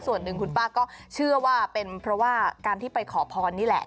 ส่วนหนึ่งคุณป้าก็เชื่อว่าเป็นเพราะว่าการที่ไปขอพรนี่แหละ